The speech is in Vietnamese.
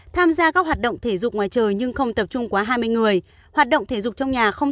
tham gia các hoạt động thể dục ngoài trời nhưng không tập trung quá hai mươi người hoạt động thể dục trong nhà không